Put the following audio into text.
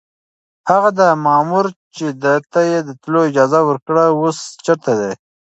هغه مامور چې ده ته يې د تلو اجازه ورکړه اوس چېرته دی؟